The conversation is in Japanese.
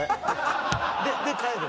で帰る？